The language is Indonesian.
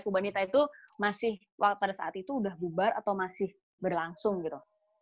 kubanita itu masih pada saat itu udah bubar atau masih berlangsung gitu